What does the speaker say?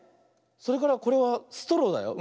それからこれはストローだよ。